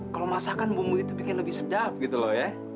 kalau masakan bumbu itu bikin lebih sedap gitu loh ya